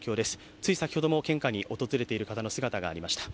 つい先ほども献花に訪れている人の姿がありました。